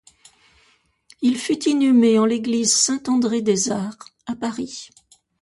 Il fut inhumé en l'Église Saint-André-des-Arts à Paris.